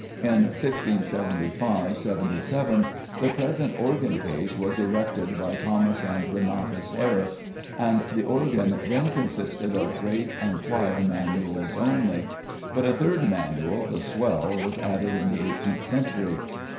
In 1675 77 the present organ case was erected by Thomas and Renatus Harris, and the organ then consisted of great and choir manuals only; but a third manual, the swell, was added in the eighteenth century.